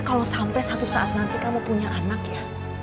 kalau sampai satu saat nanti kamu punya anak ya